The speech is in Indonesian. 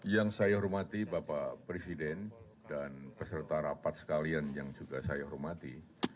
yang saya hormati bapak presiden dan peserta rapat sekalian yang juga saya hormati